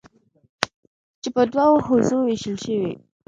چې په دوو حوزو ویشل شوي: